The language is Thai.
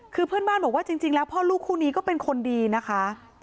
คือเพื่อนบ้านบอกว่าจริงแล้วพ่อลูกคู่นี้ก็เป็นคนดีนะคะ